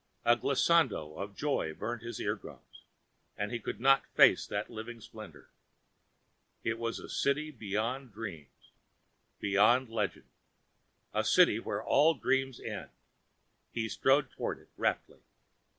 A glissando of joy burned his eardrums, and he could not face that living splendor. It was the city beyond dreams, beyond legend, the city where all dreams end. He strode toward it, raptly.